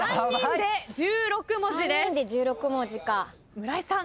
村井さん。